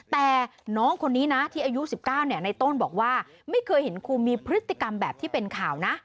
แต่น้องคนนี้นะที่อายุ๑๙ในต้นบอกว่าไม่เคยเห็นครูมีพฤติกรรมแบบที่เป็นข่าวนะ